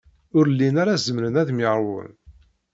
Ur llin ara zemren ad myeṛwun.